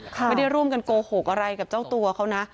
ไม่ได้ร่วมกันโกหกอะไรกับเจ้าตัวเขานะ